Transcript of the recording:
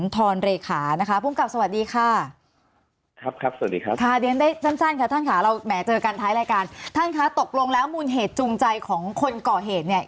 เจอกันท้ายรายการท่านคะตกลงแล้วมูลเหตุจูงใจของคนเกาะเหตุเนี่ย